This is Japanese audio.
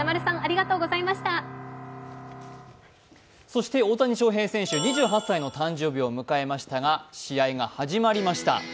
そして大谷翔平選手、２８歳の誕生日を迎えましたが、試合が始まりました。